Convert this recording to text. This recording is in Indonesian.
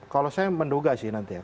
kalau saya menduga sih nanti ya